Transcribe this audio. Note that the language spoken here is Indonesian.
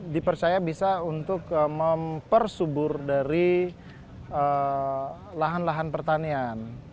dipercaya bisa untuk mempersubur dari lahan lahan pertanian